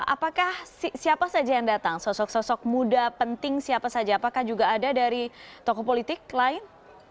apakah siapa saja yang datang sosok sosok muda penting siapa saja apakah juga ada dari tokoh politik lain